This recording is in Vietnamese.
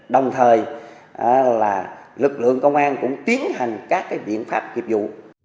đồng thời là lực lượng công an cũng tiến hành các viện pháp kiệp dụ